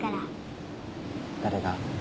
誰が？